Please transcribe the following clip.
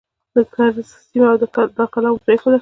د کرز سیمه او دا کلا مو پرېښوده.